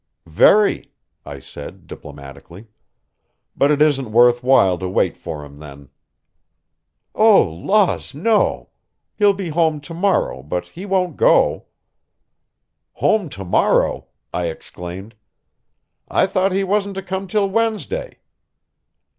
"Very," I said diplomatically; "but it isn't worth while to wait for him, then." "Oh, laws, no! he'll be home to morrow, but he won't go." "Home to morrow!" I exclaimed. "I thought he wasn't to come till Wednesday."